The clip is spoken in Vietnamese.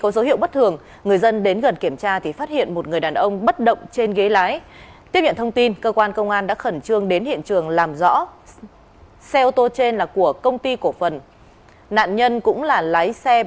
trước đó người dân phát hiện một người đàn ông tử vong trên xe ô tô trên phố đào tấn phường ngọc khánh quận ba đình hà nội